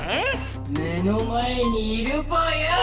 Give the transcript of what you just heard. ⁉目の前にいるぽよ！